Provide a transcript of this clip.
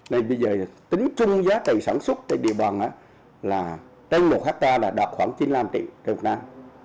bây giờ tính chung giá tầy sản xuất tại điện bàn là trên một hectare là đạt khoảng chín mươi năm triệu đồng trên một năm